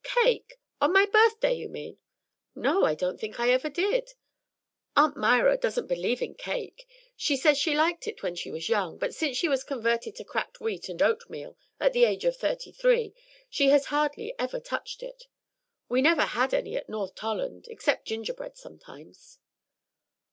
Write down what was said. "Cake on my birthday, you mean? No, I don't think I ever did. Aunt Myra doesn't believe in cake. She says she liked it when she was young; but since she was converted to cracked wheat and oatmeal at the age of thirty three, she has hardly ever touched it. We never had any at North Tolland, except gingerbread sometimes."